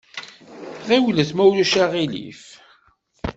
Ɣiwlet ma ulac aɣilif!